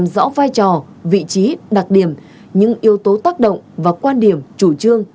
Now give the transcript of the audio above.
rõ vai trò vị trí đặc điểm những yếu tố tác động và quan điểm chủ trương